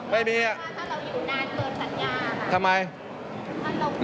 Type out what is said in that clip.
ไม่มีคำสั่ง